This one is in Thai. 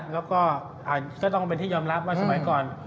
แล้วก็ก็ต้องเป็นที่ยอมรับว่าสมัยก่อน